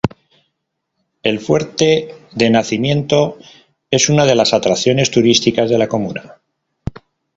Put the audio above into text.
El Fuerte de Nacimiento es una de las atracciones turísticas de la comuna.